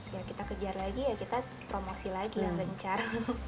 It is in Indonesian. ya kita kejar lagi ya kita promosi lagi yang gencar